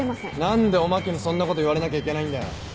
何でおまけにそんなこと言われなきゃいけないんだよ。